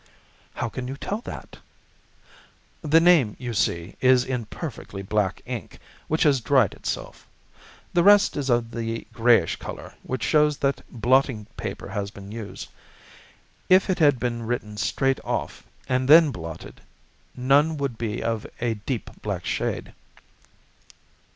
"How can you tell that?" "The name, you see, is in perfectly black ink, which has dried itself. The rest is of the greyish colour, which shows that blotting paper has been used. If it had been written straight off, and then blotted, none would be of a deep black shade.